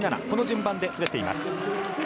この順番で走っています。